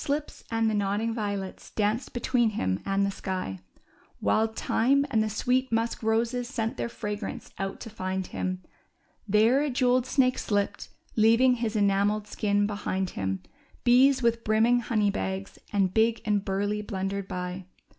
Oxlips and the nodding violets danced between him and the sky ; Wild thyme and the sweet musk roses sent their fragrance out to find him ; There a jewelled snake slipt, leaving his enamelled skin behind him ; Bees with brimming honey bags^ and big and burly^ blundered by.